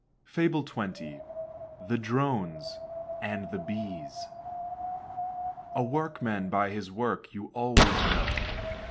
FABLE XX. THE DRONES AND THE BEES. A Workman by his work you always know.